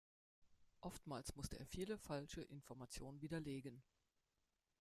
Oftmals musste er viele falsche Informationen widerlegen.